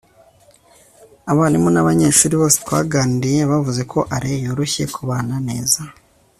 abarimu nabanyeshuri bose twaganiriye bavuze ko alain yoroshye kubana neza